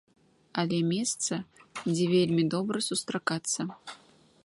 Але месца, дзе вельмі добра сустракацца.